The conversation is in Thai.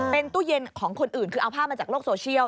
มันคือเอาเฟ้ามาจากโลกโซเชียล